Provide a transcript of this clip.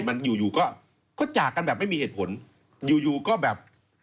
ไม่ใช่มันอยู่ก็จากกันแบบไม่มีเหตุผลอยู่ก็แบบ